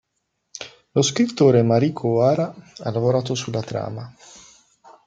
Lo scrittore Mariko Ohara ha lavorato sulla trama.